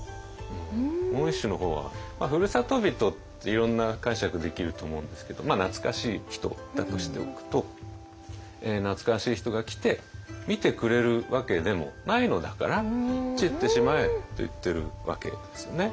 もう一首の方は「ふる里人」っていろんな解釈できると思うんですけどまあ懐かしい人だとしておくと「懐かしい人が来て見てくれるわけでもないのだから散ってしまえ」と言ってるわけですよね。